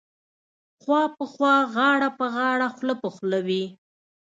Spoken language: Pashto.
خوا په خوا غاړه په غاړه خوله په خوله وې.